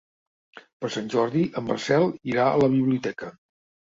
Per Sant Jordi en Marcel irà a la biblioteca.